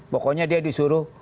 pokoknya dia disuruh